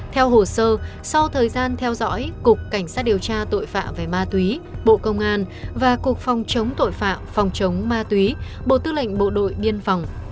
theo hồ sơ sau thời gian theo dõi cục cảnh sát điều tra tội phạm về ma túy bộ công an và cục phòng chống tội phạm phòng chống ma túy bộ tư lệnh bộ đội biên phòng